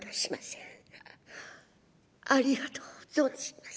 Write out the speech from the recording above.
ありがとう存じます」。